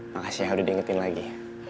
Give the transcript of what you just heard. makasih ya harus diingetin lagi